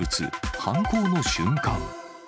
犯行の瞬間。